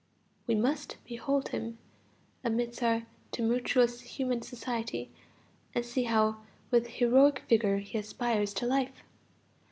We must behold him amidst our tumultuous human society and see how with heroic vigor he aspires to life.